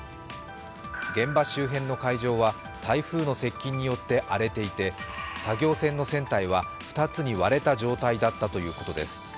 現場周辺の海上は台風の接近によって荒れていて、作業船の船体は、２つに割れた状態だったということです。